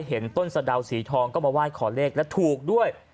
เห็นต้นสะดาวสีทองก็มาไหว้ขอเลขและถูกด้วย